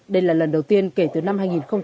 đây là lần đầu tiên kể từ năm hai nghìn một mươi